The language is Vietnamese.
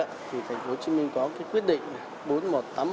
thì thành phố hồ chí minh có cái quyết định